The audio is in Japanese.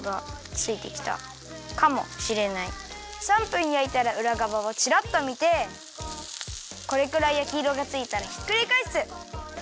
３分やいたらうらがわをチラッとみてこれくらいやきいろがついたらひっくりかえす！